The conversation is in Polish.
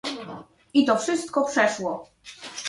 "I to wszystko przeszło!..."